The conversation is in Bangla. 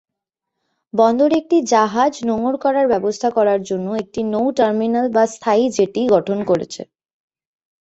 বন্দরে একটি জাহাজ নোঙর করার ব্যবস্থা করার জন্য একটি নৌ-টার্মিনাল বা স্থায়ী জেটি গঠন করেছে।